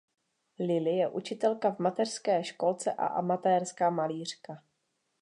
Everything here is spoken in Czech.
Lily je učitelka v mateřské školce a amatérská malířka.